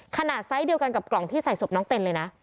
ไซส์เดียวกันกับกล่องที่ใส่ศพน้องเต้นเลยนะ